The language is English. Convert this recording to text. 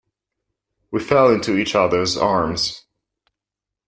We fell into each other's arms.